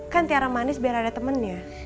kan tiara manis biar ada temennya